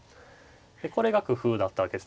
これが工夫だったわけです。